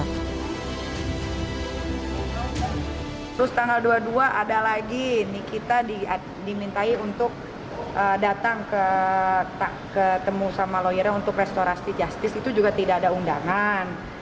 terus tanggal dua puluh dua ada lagi nikita dimintai untuk datang ketemu sama lawyernya untuk restoratif justice itu juga tidak ada undangan